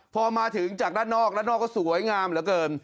พอมาถึงจากด้านนอกด้านนอกก็สวยงามเหลือเกิน